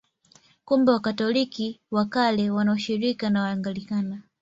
Kumbe Wakatoliki wa Kale wana ushirika na Waanglikana.